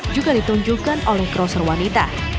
juga ditunjukkan oleh kroser wanita